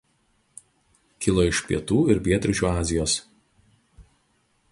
Kilo iš pietų ir pietryčių Azijos.